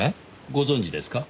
ご存じですか？